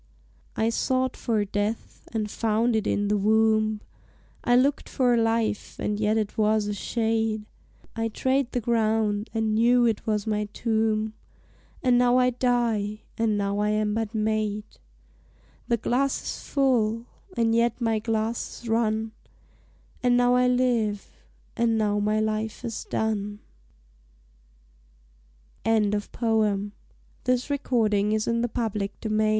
I sought for death and found it in the wombe, I lookt for life, and yet it was a shade, I trade the ground, and knew it was my tombe, And now I die, and now I am but made. The glass is full, and yet my glass is run; And now I live, and now my life is done! CHEDIOCK TICHEBORNE. HENCE, ALL YE VAIN DELIGHTS. FROM "THE NICE VALOUR," ACT III. SC. 3.